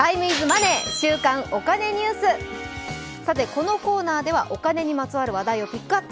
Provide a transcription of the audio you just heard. さて、このコーナーではお金にまつわる情報をピックアップ。